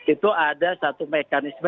itu ada satu mekanisme